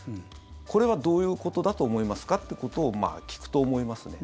これはどういうことだと思いますか？ってことを聞くと思いますね。